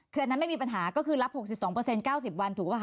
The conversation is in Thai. คืออันนั้นไม่มีปัญหาก็คือรับ๖๒๙๐วันถูกป่ะค